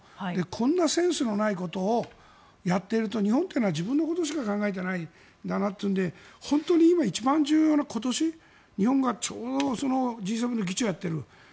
こんなセンスのないことをやっていると、日本というのは自分のことしか考えていないんだなということで本当に今一番重要な今年日本がちょうどＧ７の議長をやっている。